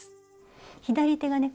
左手がね